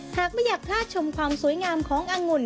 หากไม่อยากพลาดชมความสวยงามของอังุ่น